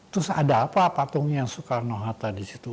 terus ada apa patungnya soekarno hatta di situ